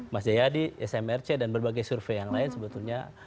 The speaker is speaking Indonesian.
mas jayadi smrc dan berbagai survei yang lain sebetulnya